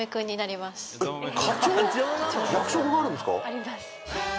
あります。